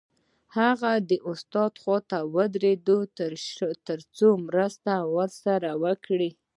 هغه د استاد خواته ودرېد تر څو مرسته ورسره وکړي